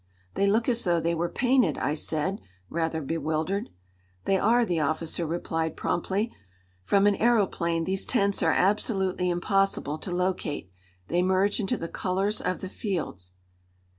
"They look as though they were painted," I said, rather bewildered. "They are," the officer replied promptly. "From an aëroplane these tents are absolutely impossible to locate. They merge into the colors of the fields."